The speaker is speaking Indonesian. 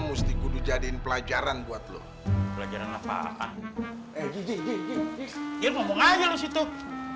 mas rahmadi dudek